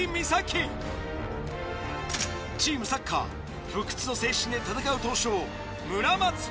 チームサッカー不屈の精神で戦う闘将。